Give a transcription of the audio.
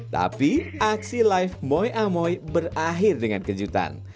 tapi aksi live moi amoy berakhir dengan kejutan